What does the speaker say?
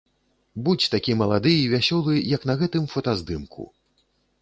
Будзь такі малады і вясёлы, як на гэтым фотаздымку.